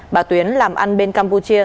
bà tuyến làm ăn bên campuchia